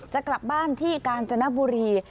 จะกลับบ้านที่กาญจนบุรี